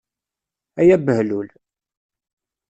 Ay abehlul!